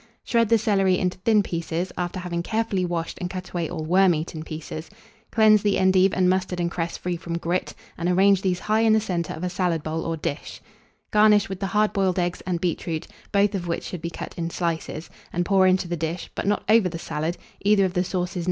Shred the celery into thin pieces, after having carefully washed and cut away all wormeaten pieces; cleanse the endive and mustard and cress free from grit, and arrange these high in the centre of a salad bowl or dish; garnish with the hard boiled eggs and beetroot, both of which should be cut in slices; and pour into the dish, but not over the salad, either of the sauces No.